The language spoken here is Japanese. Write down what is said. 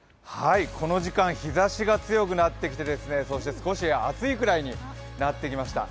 この時間、日差しが強くなってきてそして少し暑いくらいになってきました。